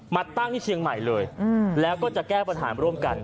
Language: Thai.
มาตั้งที่เชียงใหม่เลยแล้วก็จะแก้ปัญหาร่วมกัน